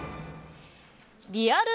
リアル！